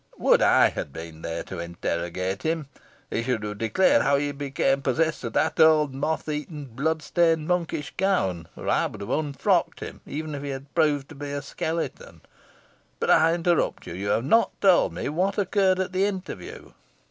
Would I had been there to interrogate him! He should have declared how he became possessed of that old moth eaten, blood stained, monkish gown, or I would have unfrocked him, even if he had proved to be a skeleton. But I interrupt you. You have not told me what occurred at the interview?"